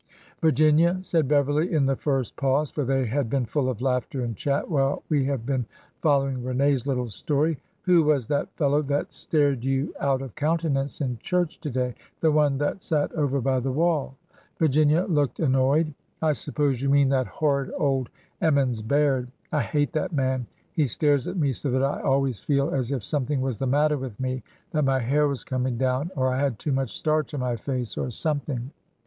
'' Virginia," said Beverly in the first pause (for they had been full of laughter and chat while we have been follow ing Rene's little story), who was that fellow that stared you out of countenance in church to day? The one that sat over by the wall." Virginia looked annoyed. " I suppose you mean that horrid old Emmons Baird. I hate that man ! He stares at me so that I always feel as if something was the matter with me — that my hair was coming down, or I had too much starch on my face, or something.